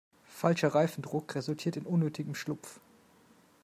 Falscher Reifendruck resultiert in unnötigem Schlupf.